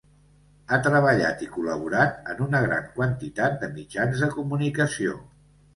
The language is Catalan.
Ha treballat i col·laborat en una gran quantitat de mitjans de comunicació.